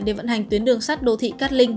để vận hành tuyến đường sắt đô thị cát linh